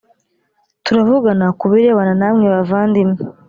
turavugana ku birebana namwe bavandimwe.